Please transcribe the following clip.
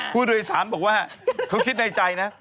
ผู้โดยสารบอกว่าเขาคิดในใจนะ